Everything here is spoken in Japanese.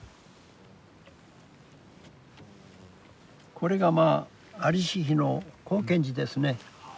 これがまあ在りし日の光顕寺ですね。